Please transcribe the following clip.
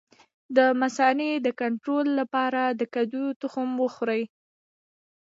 د مثانې د کنټرول لپاره د کدو تخم وخورئ